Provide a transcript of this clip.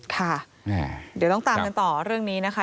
ค่ะเดี๋ยวต้องตามกันต่อเรื่องนี้นะคะ